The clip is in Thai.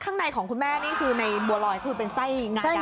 ในของคุณแม่เป็นใส่หง่ากัน